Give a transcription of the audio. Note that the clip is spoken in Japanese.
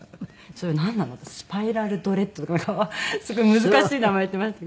「それなんなの？」ってスパイラルドレッドとかなんかすごい難しい名前言ってましたけど。